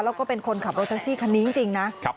แล้วก็เป็นคนขับรถแท็กซี่คันนี้จริงนะ